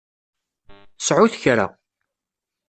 Sɛut kra.